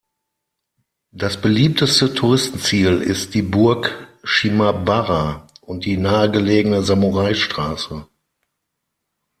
Das beliebteste Touristenziel ist die Burg Shimabara und die nahegelegene Samurai-Straße.